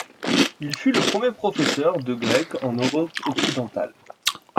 Il fut le premier professeur de grec en Europe occidentale.